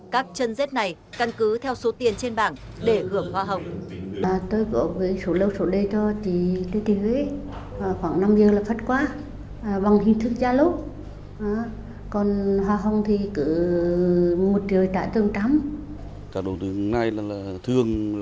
các chân dết này căn cứ theo số tiền trên bảng để hưởng hoa hồng